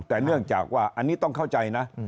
แต่เนื่องจากว่าอันนี้ต้องเข้าใจนะ